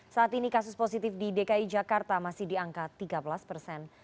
saat ini kasus positif di dki jakarta masih di angka tiga belas persen